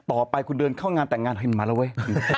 ต่อไปคุณเดินเข้างานแต่งงานไฮมาแล้วเว้ย